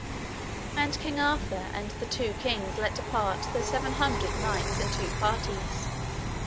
And King Arthur and the two kings let depart the seven hundred knights in two parties.